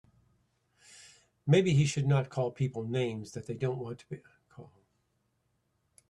Maybe he should not call people names that they don't want to be called.